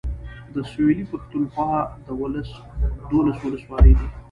د سويلي پښتونخوا دولس اولسولۍ دي.